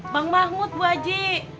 bang mahmud bu haji